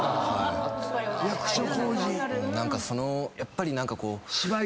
何かそのやっぱり何かこう。